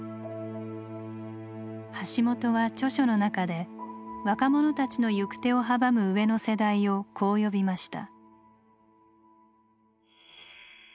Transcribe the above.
橋本は著書の中で若者たちの行く手を阻む上の世代をこう呼びました。